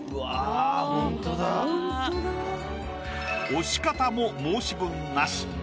押し方も申し分なし。